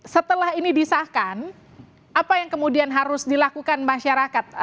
setelah ini disahkan apa yang kemudian harus dilakukan masyarakat